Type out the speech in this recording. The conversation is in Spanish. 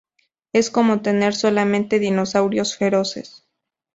Es como tener solamente dinosaurios feroces.